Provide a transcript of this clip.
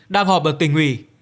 đang họp ở tỉnh hủy